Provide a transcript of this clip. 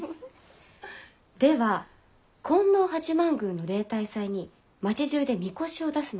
では金王八幡宮の例大祭に町じゅうでみこしを出すのは？